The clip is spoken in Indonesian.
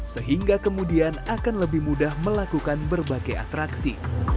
sehingga kemudian akan lebih mudah melakukan berbagai atraksi